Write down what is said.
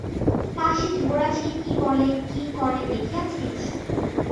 তা সে যুবরাজকে কী বলে, কী করে, দেখিয়াছিস?